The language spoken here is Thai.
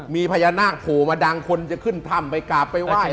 มีพญานาคโผล่มาดังคนจะขึ้นถ้ำไปกราบไปไหว้